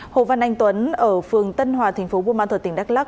hồ văn anh tuấn ở phường tân hòa tp buôn mão thuật tỉnh đắk lắc